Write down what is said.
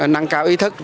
nâng cao ý thức